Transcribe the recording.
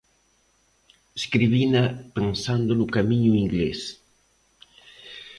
Escribina pensando no Camiño Inglés.